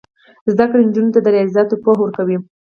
زده کړه نجونو ته د ریاضیاتو پوهه ورکوي.